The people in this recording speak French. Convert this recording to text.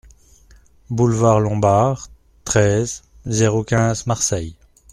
Boulevard Lombard, treize, zéro quinze Marseille